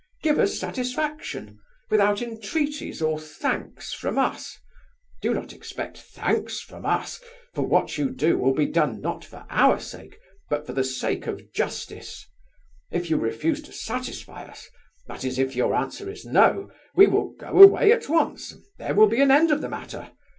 Give us satisfaction, without entreaties or thanks from us; do not expect thanks from us, for what you do will be done not for our sake, but for the sake of justice. If you refuse to satisfy us, that is, if your answer is no, we will go away at once, and there will be an end of the matter.